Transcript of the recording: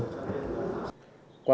qua một ngày